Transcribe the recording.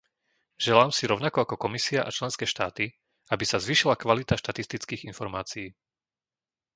Želám si rovnako ako Komisia a členské štáty, aby sa zvýšila kvalita štatistických informácií.